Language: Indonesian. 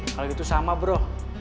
kalau gitu sama bro